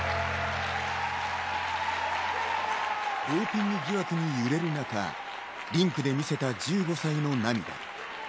ドーピング疑惑に揺れる中、リンクで見せた１５歳の涙。